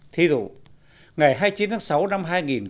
thí dụ ngày hai mươi chín tháng sáu năm hai nghìn bảy mươi sáu